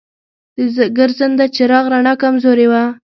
د ګرځنده چراغ رڼا کمزورې وه.